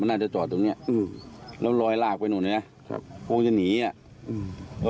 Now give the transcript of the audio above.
น่าจะจอดตรงเนี้ยอืมแล้วลอยลากไปนู่นเนี้ยครับคงจะหนีอ่ะอืม